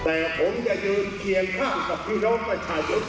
แต่ผมจะยืนเคียงข้างกับพี่น้องประชาชน